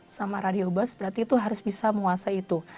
sama radio bus berarti itu harus bisa menguasai itu